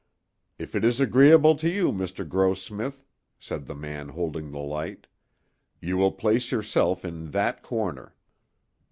"If it is agreeable to you, Mr. Grossmith," said the man holding the light, "you will place yourself in that corner."